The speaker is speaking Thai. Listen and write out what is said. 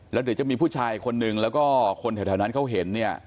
แล้วเดี๋ยวจะมีผู้ชายคนนึงแล้วก็คนแถวนั้นเขาเห็นเนี่ย